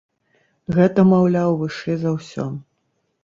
Гэта, маўляў, вышэй за ўсё.